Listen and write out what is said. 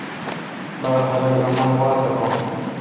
باڑ خلق آمن واتھ باں ۔